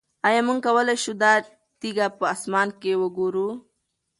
آیا موږ کولی شو دا تیږه په اسمان کې وګورو؟